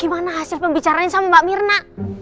gimana hasil pembicaranya sama mbak mirna